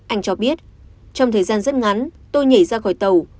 anh cho biết trong thời gian rất ngắn tôi nhảy ra khỏi tàu